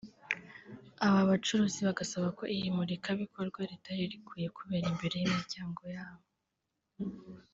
Aba bacuruzi bagasaba ko iri murikabikorwa ritari rikwiye kubera imbere y’imiryango yabo